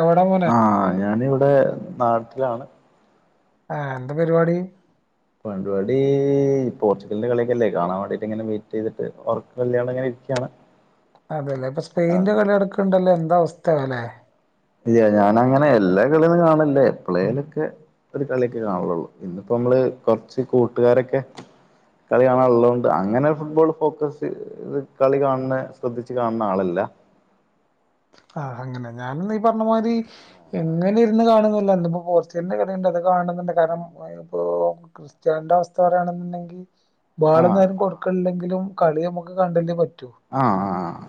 എവിടാ പോന്നേ ആ ഞാനിവിടെ നാട്ടിലാണ് ആ എന്താ പരിപാടി [unintelligible] പോർച്ചുഗലിന്റെ കളിയൊക്കല്ലേ കാണാൻ വേണ്ടയിട്ട് ഇങ്ങനെ വെയിറ്റ് ചെയ്തിട്ട് ഒറക്കല്ല്യാണ്ട് അങ്ങനെയിരിക്കയാണ് അതെയല്ലെ ഇപ്പൊ സ്പെയിന്റെ കളി അടക്കണ്ടല്ലോ എന്താ അവസ്ഥയാല്ലെ ഇല്ല ഞാനങ്ങനെ എല്ലാ കളിയൊന്നും കാണില്ല എപ്പളേലൊക്കെ ഒരു കളിക്കെ കാണണുള്ളൂ ഇന്നിപ്പോ നമ്മള് കൊറച്ച് കൂട്ടുകാരൊക്കെ കളി കാണാൻ ഉള്ളോണ്ട് അങ്ങനെ ഫുട്ബോൾ ഫോക്കസി ഇത് കളി കാണ്‌ന്നെ ശ്രദ്ധിച്ച് കാണുന്ന ആളല്ല ആ അങ്ങനെ ഞാനൊന്ന് ഈ പറഞ്ഞ മാരി എങ്ങനെ ഇരുന്ന് കാണുന്നില്ല എന്ത്പ്പോ പോർച്ചുഗലിന്റെ കളിയുണ്ട് അത് കാണുന്നുണ്ട് കാരണം ഇപ്പോ ക്രിസ്റ്റ്യാന്റെ അവസ്ഥ പറയാണെന്നുണ്ടെങ്കിൽ വാള ആഹ് [unintelligible] കൊടുക്കൺല്ലെങ്കിലും കളി നമ്മുക്ക് കണ്ടല്ലേ പറ്റൂ ആഹ് ആ ആ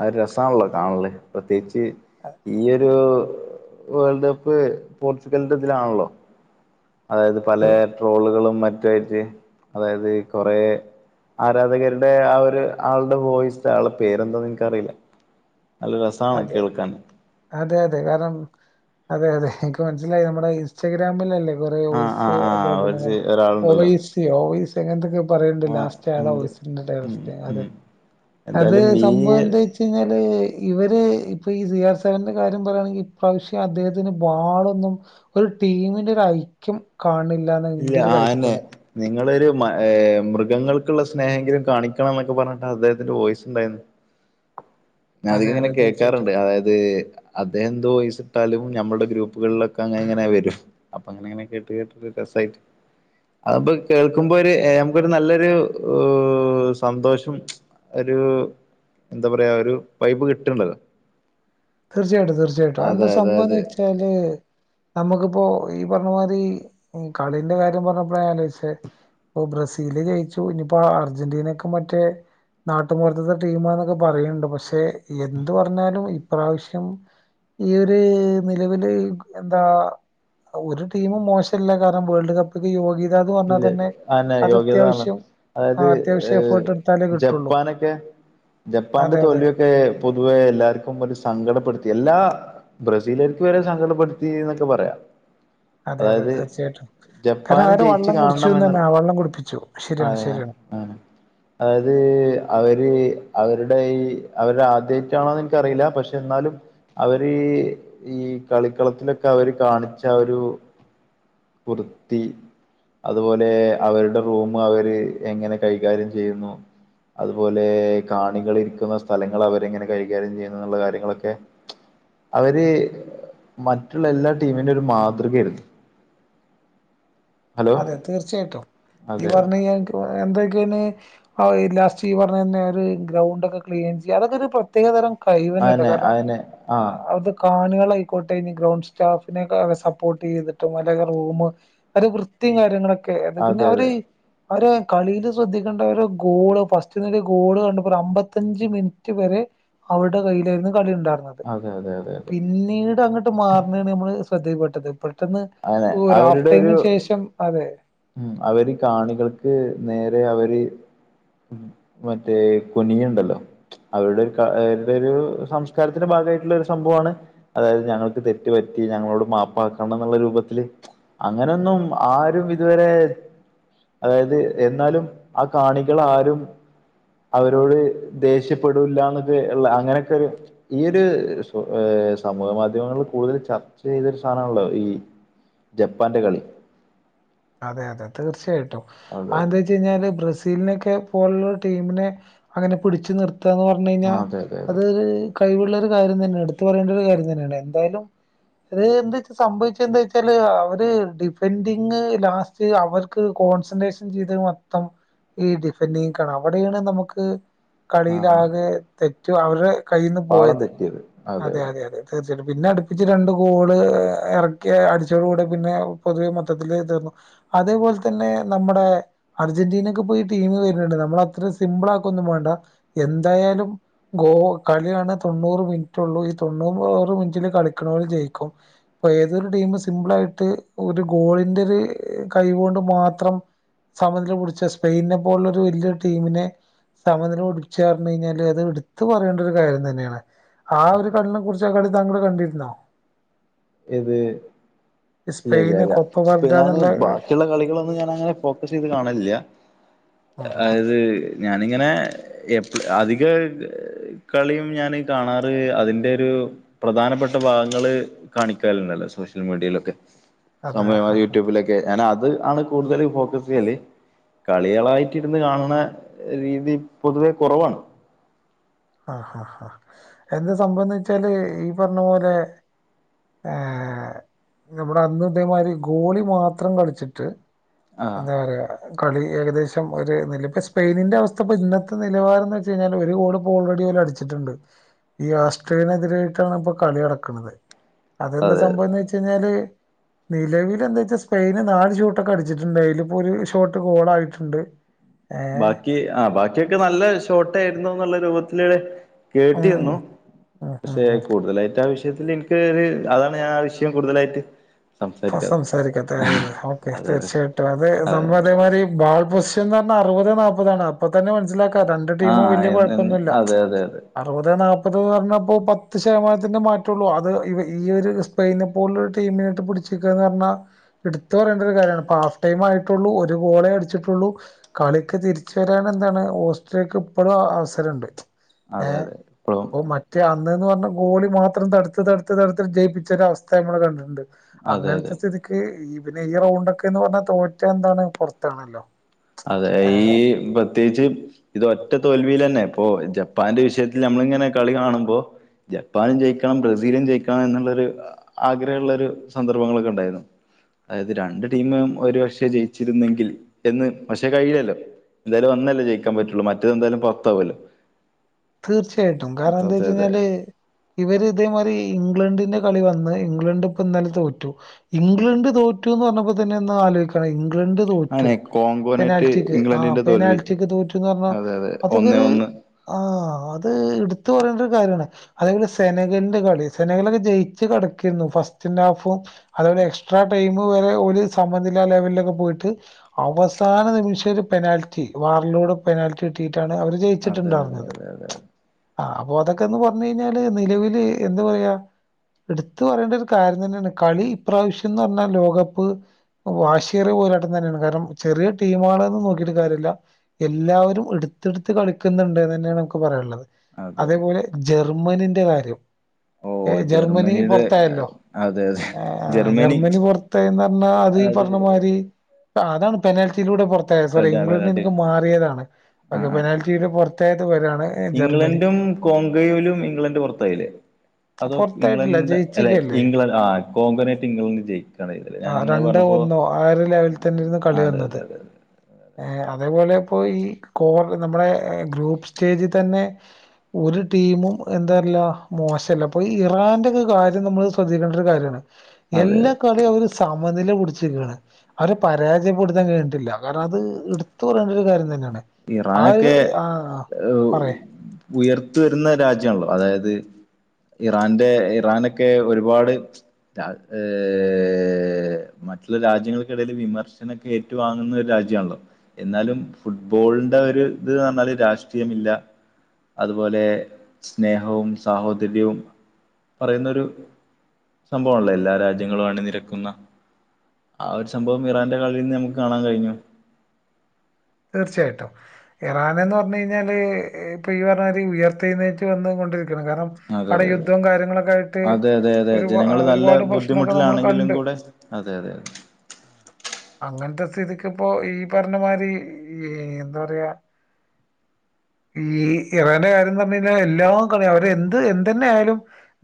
അത് രസാണല്ലോ കാണല് പ്രത്യേകിച്ച് അ- ഈ ഒരു വേൾഡ് കപ്പ് പോർച്ചുഗലിന്റെ ഇതിലാണല്ലോ അതായത് പല ട്രോളുകളും മ- [unintelligible] അതായത് കൊറേ ആരാധകരുടെ ആഹ് ഒരു ആൾ വോയിസ്റ്റ് ആളെ പേരെന്താന്നെനിക്കറിയില്ല നല്ല രസാണ് അതെ കേൾക്കാൻ അതെ അതെ കാരണം അതെ അതെ എനിക്ക് മനസ്സിലായി നമ്മുടെ ഇൻസ്റ്റഗ്രാമിലല്ലേ കൊറേ ആഹ് ഓയിസ് ആഹ് ആഹ് [unintelligible] ഒരു ചെ- ഒരാളുണ്ടല്ലോ ഒവൈസി ഓവൈസ് എങ്ങനൊത്തൊക്കെ പറയണ്ട് ആഹ് ലാസ്റ്റ് ആയാളാട എന്ത് [unintelligible] ഉം അവസ്ഥ അതെ ഉം അത് എന്തായാലും ഈ സംഭവെന്താ വെച്ച് കയിഞ്ഞാല് ഇവര് ഇപ്പൊ ഈ സി ആർ സെവന്റെ കാര്യം പറയാണെങ്കിൽ ഇപ്രാവശ്യം അദ്ദേഹത്തിന് ബാളോന്നും ഒരു ടീമിന്റെ ഒരു ഐക്യം കാണില്ലെന്നാ ഇല്ല എന്റേരു ആന്നെ കാഴ്ചപ്പാട് നിങ്ങളൊരു മ എ മൃഗങ്ങൾക്കുള്ള സ്നേഹങ്കിലും കാണിക്കണം എന്നൊക്കെ പറഞ്ഞിട്ട് അദ്ദേഹത്തിന്റെ വോയ്സുണ്ടായിന്നു [inaudible] ഞാൻ അധികിങ്ങനെ അതെ തീർച്ചയായിട്ടും കേക്കാറുണ്ട് അതായത് അദ്ദേഹം എന്ത് വോയിസ് ഇട്ടാലും നമ്മുടെ ഗ്രൂപ്പുകളിലൊക്കെ അങ്ങനെ ഇങ്ങനെ വരും അപ്പൊ അങ്ങനെങ്ങനെ കേട്ട് കേട്ട് വെബ്സൈറ്റ് അതിപ്പോ കേൾക്കുമ്പോ ഒരു ഏ നമുക്കൊരു നല്ലൊരു ഊ സന്തോഷം ഒരു എന്താ പറയാ ഒരു വൈബ് കിട്ടണ്ട് [unintelligible] തീർച്ചയായിട്ടും തീർച്ചയായിട്ടും അതെന്താ സംഭവം എന്ന് വെച്ചാല് നമുക്കിപ്പോ ഈ പറഞ്ഞമാതിരി കളീന്റെ കാര്യം പറഞ്ഞപ്പോള ഞാൻ ആലോചിച്ചേ ഒ ബ്രസീല് ജയിച്ചു ഇനിപ്പോ അർജന്റീനയൊക്കെ മറ്റേ നാട്ടുമ്പൊർത്തത്തെ ടീമാ എന്നൊക്കെ പറയുന്നുണ്ട് പക്ഷെ എന്ത് പറഞ്ഞാലും ഇപ്രാവശ്യം ഈയൊരു നിലവില് എന്താ ഒരു ടീമും മോശല്ല കാരണം വേൾഡ് കപ്പില് യോഗ്യത എന്ന് പറഞ്ഞാൽ ഇല്ല തന്നെ അന്നെ അത് യോഗ്യതാണ് അത്യാവശ്യം അതായത് ആഹ് അത്യാവശ്യം ഏഹ്, എഫേർട്ടെടുത്താലെ കിട്ടുള്ളൂ ജപ്പാനൊക്കെ ജപ്പാന്റെ അതെ അതെ തോൽവിയൊക്കെ പൊതുവെ എല്ലാർക്കും ഒരു സങ്കടപ്പെടുത്തി എല്ലാ ബ്രസീലകാർക്ക് വരെ സങ്കടപ്പെടുത്തി എന്നൊക്കെ പറയാം അതെ അതെ അതായത് തീർച്ചയായിട്ടും കാരണം ജപ്പാന് അവര് ജയിച്ച് വള്ളം കുടിച്ചുന്നന്നെ കാണണമെന്നുള്ള വള്ളം കുടിപ്പിച്ചു [unintelligible] ശരിയാണ് ആഹ് ശരിയാണ് അത് അവര് അവരുടെ ഈ അവര്ടെ ആദ്യയിട്ടാണോന്ന് എനിക്കറിയില്ല പക്ഷെ എന്നാലും അവര് ഈ കളിക്കളത്തിലൊക്കെ അവര് കാണിച്ച ആ ഒരു വൃത്തി അതുപോലെ അവരുടെ റൂം മവര് എങ്ങനെ കൈകാര്യം ചെയ്യുന്നു അതുപോലെ കാണികള് ഇരിക്കുന്ന സ്ഥലങ്ങൾ അവരെങ്ങനെ കൈകാര്യം ചെയ്യുന്നുന്നുള്ള കാര്യങ്ങളൊക്കെ അവര് മറ്റുള്ള എല്ലാ ടീമിന്റെ ഒരു മാതൃകയിരുന്നു അതെ തീർച്ചയായിട്ടും നി അതെ അതെ പറഞ്ഞ [unintelligible] എന്തൊക്കെയാണ് ഔ ലാസ്റ്റ് ഈ പറഞ്ഞ തന്നെ ഒരു ഗ്രൗണ്ട് ഒക്കെ ക്ലീൻ ചെയ്യാ അതൊക്കെ ഒരു പ്രത്യേക തരം കയിവന്നെട്ടാ അയന്നെ കാരണം അയന്നെ ആ ആഹ് അത് കാണികളായിക്കോട്ടെ ഇനി ഗ്രൗണ്ട് സ്റ്റാഫിനെ സപ്പോർട്ട് ചെയ്തിട്ടും അല്ലെങ്കി റൂം അത് വൃത്തിയും കാര്യങ്ങളൊക്കെ പിന്നെ അതെ അതെ അവര് അവര് കളിയില് ശ്രദ്ധിക്കേണ്ട ഒരു ഗോള് ഫസ്റ്റ്ന്ന് ഒരു ഗോള് കണ്ടപ്പോ ഒരു അമ്പത്തഞ്ച് മിനിറ്റ് വരെ അവരുടെ കയ്യിലായിയിരുന്നു കളി ഉണ്ടായിരുന്നത് അതെ അതെ അതെ അതെ പിന്നീട് അങ്ങട്ട് മാറുന്നതാണ് നമ്മളെ ശ്രദ്ധയിൽപ്പെട്ടത് പെട്ടന്ന് അതെ ഒരു ഹാഫ് അവരുടെ ഒരു ടൈമിന് ശേഷം അതെ ഉം അവര് കാണികൾക്ക് നേരെ അവര് മറ്റേ കുനിയുണ്ടല്ലോ അവരുടെ ഒരു അവരുടെ ഒരു സംസ്കാരത്തിന്റെ ഭാഗമായിട്ടുള്ള ഒരു സംഭവമാണ് അതായത് ഞങ്ങൾക്ക് തെറ്റ് പറ്റി ഞങ്ങളോട് മാപ്പാക്കണം എന്നുള്ള രൂപത്തില് അങ്ങനൊന്നും ആരും ഇതുവരെ അതായത് എന്നാലും ആഹ് കാണികൾ ആരും അവരോട് ദേഷ്യപ്പെടില്ലാന്നൊക്കെ ഉള്ള അങ്ങനെയൊക്കെ ഒരു ഈയൊരു ഏഹ് സമൂഹ മാധ്യമങ്ങൾ കൂടുതൽ ചർച്ച ചെയ്തൊരു സാധനമാണല്ലോ ഈ ജപ്പാന്റെ കളി അതെ അതെ തീർച്ചയായിട്ടും അതെ അതെ അതെന്താ വച്ചാ ബ്രസീലിനക്കെ പോലുള്ള ടീമിനെ അങ്ങനെ പിടിച്ചു നിർത്താന്ന് പറഞ്ഞാല് പറഞ്ഞ് കഴിഞ്ഞാൽ ആ അതെ അതെ അതെ അത് കഴിവുള്ളൊരു കാര്യം തന്നെയാണ് എടുത്തു പറയേണ്ട ഒരു കാര്യം തന്നെയാണ് എന്തായാലും അത് എന്താച്ച സംഭവിച്ച എന്താ വെച്ചാല് അവര് ഡിഫൻഡിങ് ലാസ്റ്റ് അവർക്ക് കോൺസെൻട്രേഷൻ ചെയ്ത മൊത്തം ഈ ഡിഫാൻറ്റി കാണ അവിടെയാണ് നമുക്ക് ആ കളിയിലാകെ തെറ്റും അവരുടെ കയ്യിൽ നിന്ന് പോയത് അതെ അതെ അതെ തീർച്ചയായിട്ടും പിന്നെ അടുപ്പിച്ച് തീർച്ചയായും രണ്ട് ഗോള് ഇറക്കി അടിച്ചോടെ കൂടെ പിന്നെ പൊതുവെ മൊത്തത്തില് തീർന്നു അതേപോലെ തന്നെ നമ്മുടെ അർജന്റീനക്ക് പോയി ടീം വരുന്നുണ്ട് നമ്മൾ അത്ര സിംമ്പിൾ ആക്കുക ഒന്നും വേണ്ട എന്തായാലും ഗോ കളിയാണ് തൊണ്ണൂറ് മിനിറ്റള്ളൂ ഈ തൊണ്ണൂറ് മിനിറ്റില് കളിക്കുന്നവർ ജയിക്കും ഇപ്പൊ ഏതൊരു ടീം സിംപിൾ ആയിട്ട് ഒരു ഗോളീന്റെ ഒരു കൈകൊണ്ട് മാത്രം സമനില പിടിച്ച സ്പെയിനെ പോലുള്ള ഒരു വലിയ ടീമിനെ സമനില പിടിപ്പിച്ച് പറഞ്ഞു കഴിഞ്ഞാല് അത് എടുത്ത് പറയേണ്ട ഒരു കാര്യം തന്നെയാണ് ആ ഒരു കളീനെ കുറച്ച് ആ കളി താങ്കൾ കണ്ടിരുന്നോ ഏത് ഇല്ലല്ല സ്പെയിന് ഇല്ല കൊപ്പ ഇപ്പോ വർഡ ഞാന് എന്നുള്ള ബാക്കി ബാക്കിയുള്ള കളികളൊന്നും ഞാനങ്ങനെ ഫോക്കസ് ചെയ്ത് കാണലില്ല ആ, ആ, അത് ഞാനിങ്ങനെ എപ്പോളും അധികം കളിയും ഞാന് കാണാറ് അതിന്റെ ഒരു പ്രധാനപ്പെട്ട ഭാഗങ്ങള് കാണിക്കലുണ്ടല്ലോ സോഷ്യൽ മീഡിയയിലൊക്കെ അതെ ആ, സമയമായി യൂട്യൂബിലൊക്കെ ഞാൻ അത് ആണ് കൂടുതല് ഫോക്കസ് ചെയ്യല് കളികളായിട്ട് ഇരുന്ന് കാണുന്ന രീതി പൊതുവെ കുറവാണ് ആഹ് ആഹ് ആഹ് എന്താ സംഭവന്ന് വച്ചാല് ഈ പറഞ്ഞ പോലെ ഏഹ് ഇവിടെ അന്ന് ഇതേ മാതിരി ഗോളി മാത്രം കളിച്ചിട്ട് ആഹ് എന്താ പറയാ കളി ഏകദേശം ഒരു നില ഇപ്പോൾ സ്പെയിനിന്റെ അവസ്ഥ ഇപ്പോൾ ഇന്നത്തെ നിലവാരം എന്ന് വെച്ച് കഴിഞ്ഞാൽ ഒരു ഗോള് ഓൾറെഡി ഓല് അടിച്ചിട്ടുണ്ട് ഈ ആസ്ട്രിയെനെതിരായിട്ടാണ് ഇപ്പൊ കളി നടക്കണത് അതെന്താ അതെ സംഭവംന്ന് വെച്ച് കഴിഞ്ഞാല് നിലവിൽ എന്താ വെച്ചാ സ്പെയിന് നാല് ഷോട്ടൊക്കെ അടിച്ചിട്ടുണ്ട് അതില് ഇപ്പോ ഒരു ഷോട്ട് ഗോൾ ആയിട്ടുണ്ട് ബാക്കി ആ ബാക്കിയൊക്കെ നല്ല ഷോർട്ട് ആയിരുന്നു എന്നുള്ള രൂപത്തില് ഉം കേട്ടിരുന്നു ഉം ഉം പക്ഷെ ഉം കൂടുതലായിട്ട് ആവശ്യ ഈ വിഷയത്തിൽ എനിക്ക് ഒരു അതാണ് ഞാൻ ആ വിഷയം കൂടുതലായിട്ട് സംസാരിക്കാതെ സംസാരിക്കത്തെ അതെ അതെ ഓക്കെ അതെ അതെ തീർച്ചയായിട്ടും അതെ സംഭവം അതേ മാതിരി സത്യപറഞ്ഞാൽ അറുപതെ നാല്പ്പതാണ് അപ്പൊ തന്നെ മനസ്സിലാക്കാ രണ്ട് ആ ടീമും വലിയ എന്ന് എന്ന് കുഴപ്പമൊന്നുമില്ല അതെ അതെ അതെ അറുപത് നാല്പ്പതെന്ന് പറഞ്ഞപ്പോ പത്ത് ശതമാനത്തിന്റെ മാറ്റുള്ളൂ അത് ഈ ഒരു സ്പെയിനിനെ പോലൊ ഒരു ടീമിനായിട്ട് പിടിച്ചിക്കുകന്ന് പറഞ്ഞാ എടുത്ത് പറയേണ്ട ഒരു കാര്യമാണ് പാസ്സ് ടൈം ആയിട്ടുള്ളൂ ഒരു ഗോളേ അടിച്ചിട്ടുള്ളൂ കളിക്ക് തിരിച്ചു വരാൻ എന്താണ് ഹോസ്ട്രിയക്ക് ഇപ്പോഴും അവസരം ഉണ്ട് അതെ ഏഹ് അതെ ഇപ്പളും മ മറ്റേ അന്ന്ന്ന് പറഞ്ഞാ ഗോളി മാത്രം തടുത്ത് തടുത്ത് തടുത്ത് ജയിപ്പിച്ച ഒരു അവസ്ഥ ഞമ്മൾ കണ്ടിട്ടുണ്ട് അതെ അതെ അങ്ങനത്തെ സ്ഥിതിക്ക് ഈ പിന്നെ ഈ റൗണ്ടൊക്കെ എന്ന് പറഞ്ഞാ തോറ്റ എന്താണ് പൊറത്താണല്ലോ അതെ ഈ പ്രത്യേകിച്ച് ഇത് ഒറ്റ തോൽവിൽ തന്നെ ഇപ്പൊ ജപ്പാന്റെ വിഷയത്തിൽ നമ്മളിങ്ങനെ കളി കാണുമ്പോ ജപ്പാനും ജയിക്കണം ബ്രസീലും ജയിക്കണം എന്നുള്ളൊരു ആഗ്രഹള്ള ഒരു സന്ദർഭങ്ങളൊക്കെ ഉണ്ടായിരുന്നു അതായത് രണ്ട് ടീമും ഒരുപക്ഷേ ജയിച്ചിരുന്നെങ്കിൽ എന്ന് പക്ഷേ കയില്ലാലോ എന്തായാലും ഒന്നല്ലേ ജയിക്കാൻ പറ്റുള്ളൂ മറ്റേത് എന്തായാലും പുറത്താവുല്ലോ തീർച്ചയായിട്ടും കാരണം എന്താ അതെ അതെ വെച്ചകഴിഞ്ഞാല് ഇവർ ഇതേമാതിരി ഇംഗ്ലണ്ടിന്റെ കളി വന്ന് ഇംഗ്ലണ്ട് ഇപ്പൊ ഇന്നാലെ തോറ്റു ഇംഗ്ലണ്ട് തോറ്റു എന്ന് പറഞ്ഞപ്പോ തന്നെ ഒന്ന് ആലോയിക്കാണം ഇംഗ്ലണ്ട് തോറ്റു അങ്ങനെ കോങ്കോനായിട്ട് പെനാൽറ്റിക് ആ ഇംഗ്ലണ്ടിന്റെ തോൽവി പെനാൽറ്റിക് തോറ്റുന്ന് പറഞ്ഞാ അതെ അതെ അതൊക്കെ ഒന്നേ ഒരു ഒന്ന് ആ അത് ഇടുത്ത് പറയേണ്ട ഒരു കാര്യണ് അതേപോലെ സെനകലിന്റെ കളി സെനകളൊക്കെ ജയിച്ചു കടക്കരുന്നു ഫസ്റ്റ്ൻ ഹാഫും അതപോലെ എക്സ്ട്രാ ടൈം വരെ ഓല് സമ്മനില്ല ലെവലിലൊക്കെ പോയിട്ട് അവസാന നിമിഷം ഒരു പെനാൽറ്റി വാറിലൂടെ പെനാൽറ്റി കിട്ടിയിട്ടാണ് അവര് അതെ ജയിച്ചിട്ടുണ്ടായിരുന്നത് അതെ അതെ അതെ ആ അപ്പൊ അതൊക്കെന്ന് പറഞ്ഞ് കഴിഞ്ഞാല് നിലവില് എന്താ പറയാ എടുത്തു പറയേണ്ട ഒരു കാര്യം തന്നെയാണ് കളി ഇപ്രാവശ്യംന്ന് പറഞ്ഞാൽ ലോകകപ്പ് വാഷേറിയ പോരാട്ടം തന്നെയാണ് കാരണം ചെറിയ ടീം ആളെന്ന് നോക്കിട്ട് കാര്യല്ല എല്ലാവരും എടുത്തെടുത്ത് കളിക്കുന്നുണ്ട് അതന്നെയാണ് ക്ക് പറയാനുള്ളത് അതെ അതെ അതേപോലെ ജർമ്മനിന്റെ കാര്യം ഓ ഏ ജർമ്മനി ജർമ്മനിയുടെ പുറത്തായല്ലോ അതെ അതെ ഏഹ് ജർമ്മനി പുറ തെന്ന് പറഞാ അത് ഈ പറഞ്ഞ മാതിരി അതാണ് പെനാൽറ്റിയിലൂടെ പുറത്തായ സോറി പെടാ ഇംഗ്ലണ്ടിൽ പെടാട്ടി എനിക്ക് മാറിയതാണ് ഒക്കെ ആഹ് ആഹ് പെനാൽറ്റി ഇതില് പുറത്തായത് ഇവരാണ് ഇംഗ്ലണ്ടും കോങ്കോയിലും ഇംഗ്ലണ്ട് പുറത്തായില്ലേ അതോ പുറത്തായിട്ടില്ല ഇംഗ്ലണ്ട്ന്റെ അല്ലെ ജയിച്ചിക്കല്ലേ ഇംഗ്ലണ്ട് ആഹ് കോങ്കനയിട്ട് ഇംഗ്ലണ്ടണ്ട് ജയിക്കാണ ചെയ്തേ ആ രണ്ടോ ഒന്നോ ആ ഒരു ലെവലിൽ തന്നെരുന്നു കളി അതെ വന്നത് അതെ അതെ ഏ അതേപോലെ ഇപ്പോ ഈ കോർ നമ്മുടെ ഗ്രൂപ്പ് സ്റ്റേജി തന്നെ ഒരു ടീമും എന്താല്ല മോശല്ല അപ്പൊ ഈ ഇറാൻന്റെക്കെ കാര്യം നമ്മൾ ശ്രദ്ധിക്കേണ്ട ഒരു കാര്യാണ് അതെ അതെ എല്ലാ കളിയും അവര് സമനില പിടിച്ചരിക്കണ് അവരെ പരാജയപ്പെടുത്താൻ കഴിഞ്ഞിട്ടില്ല കാരണം അത് ഇടുത്ത് പറയേണ്ട ഒരു കാര്യം തന്നെയാണ് ആ ഒരു ഇറാനൊക്കെ ആ ഉഹ് പറയ് ഉയർത്ത് വരുന്ന രാജ്യണല്ലോ അതായത് ഇറാന്റെ ഇറാനൊക്കെ ഒരുപാട് ഏഹ് മറ്റുള്ള രാജ്യങ്ങൾക്കിടയിൽ വിമർശന ഏറ്റുവാാങ്ങുന്ന ഒരു രാജ്യണല്ലോ എന്നാലും ഫു ബോളിന്റെ ഒരു ഇത് പറഞ്ഞാല് രാഷ്ട്രീയമില്ല അതുപോലെ സ്നേഹവും സാഹോദര്യവും പറയുന്നൊരു സംഭവം ആണേലെ എല്ലാ രാജ്യങ്ങളും അണിനിരക്കുന്ന ആ ഒരു സംഭവം ഇറാന്റെ കളിൽ നിന്ന് നമുക്ക് കാണൻ കഴിഞ്ഞു തീർച്ചയായിട്ടും ഇറാൻന്ന് പറഞ്ഞു കഴിഞ്ഞാല് ഇപ്പൊ ഈ പറഞ്ഞമാതിരി ഉയർത്തേനെറ്റു വന്ന് കൊണ്ട് കാരണം അതെ അവിടെ അതെ അതെ യുദ്ധം കാര്യങ്ങളൊക്കെ ആയിട്ട് അതെ അതെ അതെ ഒരു ജനങ്ങള് നല്ല ഒരുപാട് പ്രശ്നമൊക്കെ നമ്മള് ബുദ്ധിമുട്ടിലാണെങ്കിലും കണ്ട് കൂടെ അതെ അതെ അതെ അങ്ങനത്തെ സ്ഥിതിക്ക് ഇപ്പോ ഈ പറഞ്ഞ മാരി ഈ എന്താ പറയ ഈ ഇറാന്റെ കാര്യം എന്ന് പറഞ്ഞ് കഴിഞ്ഞാൽ എല്ലാം കളി അവരെ എന്ത് എന്തന്നെ ആയാലും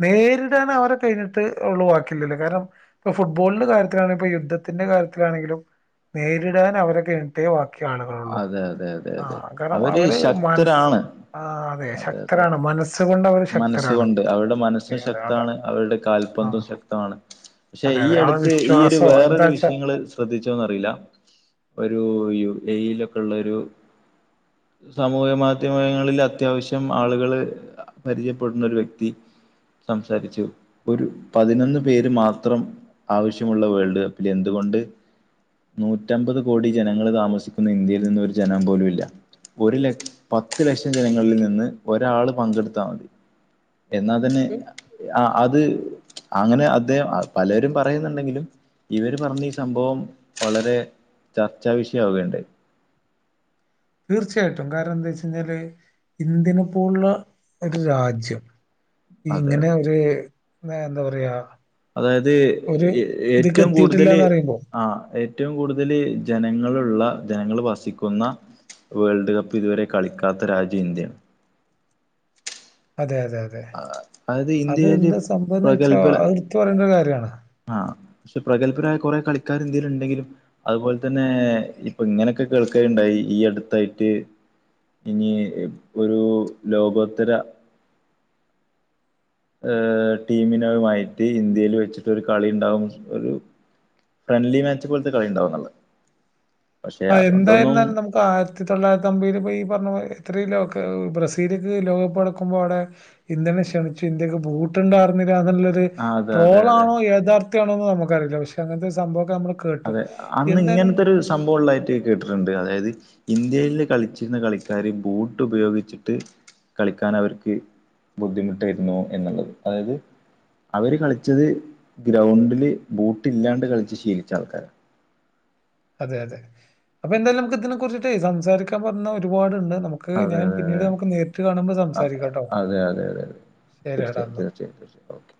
നേരിടൻ അവരെ കഴിഞ്ഞിട്ട് ഉള്ളു വാക്കി ള്ളോല് കാരണം ഇപ്പൊ ഫുട്ബോളിന്റെ കാര്യത്തിലാണെങ്കിലും ഇപ്പ യുദ്ധത്തിന്റെ കാര്യത്തിലാണെങ്കിലും നേരിടാൻ അവരെ കായിഞ്ഞിട്ടേ വാ ക്കി ആളുകളള്ളൂ അതെ അതെ അതെ ആ അതെ കാരണം അവര് മനസ് ശക്തരാണ് ആ അതെ ശക്തരാണ് മനസ്സ് നസ് കൊണ്ട് അവർ മനസ്സു കൊണ്ട് അവരുടെ മനസ്സും ശക്തമാണ് അവരുടെ കാൽപന്തും ആഹ് ശക്തമാണ് പക്ഷെ അതെ ഈ അതെ ആ അടുത്ത് ഈ ഒരു വിശ്വാസോ വേറൊരു എന്താച്ചാ വിഷയങ്ങള് ശ്രദ്ധിച്ചോന്നറിയില്ല ഒരു യുഎയിലൊക്കെള്ളൊരു സമൂഹ മാധ്യമങ്ങളിൽ അത്യാവശ്യം ആളുകള് പരിചയപ്പെടുന്ന ഒരു വ്യക്തി സംസാരിച്ചു ഒരു പതിനൊന്ന് പേര് മാത്രം ആവശ്യമുള്ള വേൾഡ് എന്തുകൊണ്ട് നൂറ്റമ്പത് കോടി ജനങ്ങള് താമസിക്കുന്ന ഇന്ത്യയിൽ നിന്ന് ഒരു ജനം പോലും ഇല്ല ഒരു ല പത്ത് ലക്ഷം ജനങ്ങളിൽ നിന്ന് ഒരാൾ പങ്കെടുത്ത് ത്താ മതി എന്നാൽ തന്നെ ആഹ അത് അങ്ങനെ അദ്ദേഹം പലരും പറയുന്നുണ്ടെങ്കിലും ഇവര് പറഞ്ഞ ഈ സംഭവം വളരെ ചർച്ചാ വിഷയമാവേണ്ടെ തീർച്ചയായിട്ടും കാരണം എന്താ വെച്ച് കഴിഞ്ഞാല് ഇന്ത്യനെ പോലുള്ള ഒരു രാജ്യം അതെ അതെ ഇങ്ങനെ ഒരു എന്താ പറയാ അതായത് ഒരു ഇതിക്ക് ഏറ്റവും കൂടുതല് എത്തിയിട്ടില്ലാന്ന് പറയുമ്പോ ആഹ ഏറ്റവും കൂടുതൽ ജനങ്ങളുള്ള ജനങ്ങൾ വസിക്കുന്ന വേൾഡ് കപ്പ് ഇതുവരെ കളിക്കാത്ത രാജ്യം ഇന്ത്യ അതെ അതെ അതെ അതായത് അത് ഇന്ത്യയില് എന്താ സംഭവംന്ന് വെച്ചാ അതെടുത്ത് പറയേണ്ട ഒരു കാര്യമാണ് ആഹ പക്ഷേ പ്രഗത്ഭരായ കുറെ കളിക്കാര് ഇന്ത്യയിൽ ഉണ്ടെങ്കിലും അതുപോലെ തന്നെ ഇപ്പൊ ഇങ്ങനെയൊക്കെ കേൾക്കയുണ്ടായി ഈ അടുത്തായിട്ട് ഇനി ഒരു ലോകോത്തര ടീമിനുമായിട്ട് ഇന്ത്യയിൽ വെച്ചിട്ടൊരു കളി ഉണ്ടാകും ഒരു ഫ്രണ്ട്ലി മാച്ച് പോലത്തെ കളിണ്ടാവുന്നുളള ആഹ എന്തായിരുന്നാലും നമുക്ക് ഇപ്പോൾ ആയിരത്തി തൊള്ളായിരത്തി അമ്പതിൽ ഈ പറഞ്ഞപോലെ എത്രയും ലോക്ക് ബ്രസീലേക്ക് ലോകകപ്പ് നടുക്കുമ്പോൾ അവിടെ ഇന്ത്യനെ ക്ഷണിച്ചു ഇന്ത്യയ്ക്ക് ബൂട്ടണ്ടായിരുന്നില്ല ആ അതെ അതെ അതെ ട്രോൾളാണോ യഥാർത്ഥ്യാണോ നമുക്കറിയില്ല പക്ഷേ അങ്ങനത്തെ സംഭവംമൊക്കെ നമ്മള് കേട്ടു. അതെ അന്ന് എന്തായാലും ഇങ്ങനത്തെ ഒരു സംഭവം ഉള്ളായിട്ട് കേട്ടിട്ടുണ്ട് അതായത് ഇന്ത്യയില് കളിച്ചിരുന്ന കളിക്കാര് ബൂട്ട് ഉപയോഗിച്ചിട്ട് കളിക്കാൻ അവർക്ക് ബുദ്ധിമുട്ടായിരുന്നു എന്നുള്ളത് അതായത് അവര് കളിച്ചത് ഗ്രൗണ്ടില് ബൂട്ടില്ലാണ്ട് കളിച്ച് ശീലിച്ച ആൾക്കാരാ അതെ അതെ അപ്പൊ എന്തായാലും നമുക്ക് ഇതിനെ കുറിച്ചിട്ടേ സംസാരിക്കാൻ പറഞ്ഞ ഒരുപാടുണ്ട് നമുക്ക് നമുക്ക് അതെ ഞാൻ പിന്നീട് നമുക്ക് നേരിട്ട് കാണുമ്പോൾ സംസാരിക്കാം കേട്ടോ അതെ അതെ അതെ അതെ തീർച്ചയും തീർച്ചയും തീർച്ചയും ഓക്കെ